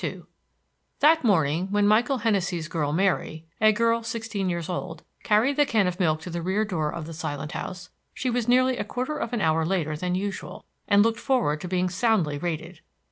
II That morning, when Michael Hennessey's girl Mary a girl sixteen years old carried the can of milk to the rear door of the silent house, she was nearly a quarter of hour later than usual, and looked forward to being soundly rated.